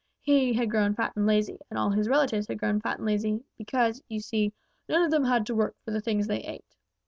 He had grown fat and lazy, and all his relatives had grown fat and lazy because, you see, none of them had to work for the things they ate.